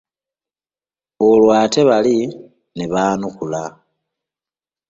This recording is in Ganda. Olwo ate bali ne baanukula.